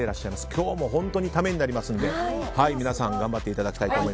今日も本当にためになりますので皆さん、頑張ってください。